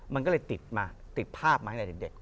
มันก็เลยติดมาติดภาพมาตั้งแต่เด็ก